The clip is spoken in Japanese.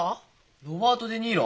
ロバート・デ・ニーロ？